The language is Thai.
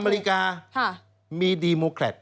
อเมริกามีดีโมแครต